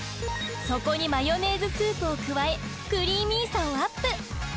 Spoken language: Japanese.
そこにマヨネーズスープを加えクリーミーさをアップ。